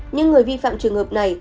nhưng người vi phạm trường hợp này